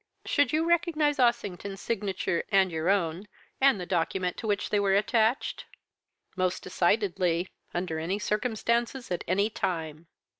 "'Should you recognise Ossington's signature and your own and the document to which they were attached?' "'Most decidedly; under any circumstances, at any time.'